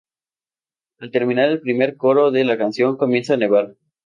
Al terminar el primer coro de la canción, comienza a nevar.